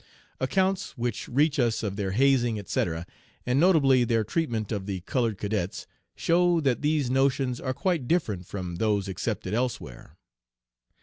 Accounts which reach us of their hazing, etc., and notably their treatment of the colored cadets, show that these notions are quite different from those accepted elsewhere.